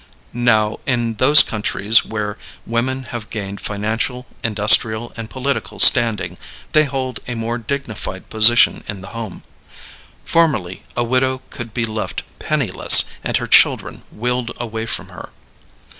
Now, in those countries where women have gained financial, industrial, and political standing, they hold a more dignified position in the home. Formerly a widow could be left penniless and her children willed away from her.